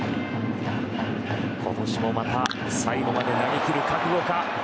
今年もまた最後まで投げ切る覚悟か。